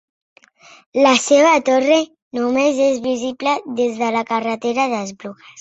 La seva torre només és visible des de la carretera d'Esplugues.